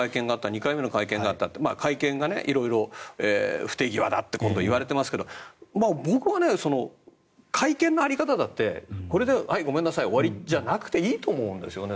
２回目の会見があった会見が色々不手際だと色々言われていますが僕は会見の在り方だってこれで、はいごめんなさい、終わりじゃなくていいと思うんですよね。